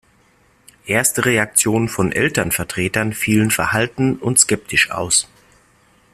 Erste Reaktionen von Elternvertretern fielen verhalten und skeptisch aus.